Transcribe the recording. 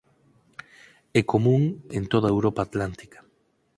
É común en toda a Europa Atlántica.